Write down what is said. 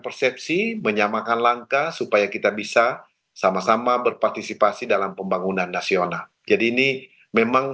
persepsi menyamakan langkah supaya kita bisa sama sama berpartisipasi dalam pembangunan nasional jadi ini memang